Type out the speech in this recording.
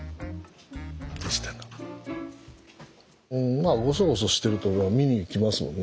まあゴソゴソしてると見に来ますもんね。